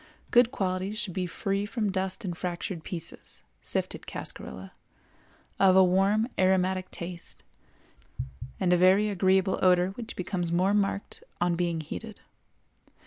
Good qualities should be free from dust and fractured pieces (sifted cascarilla), of a warm aromatic taste, and a very agreeable odor which becomes more marked on being heated.